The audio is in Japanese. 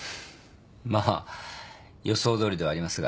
まあ予想どおりではありますが。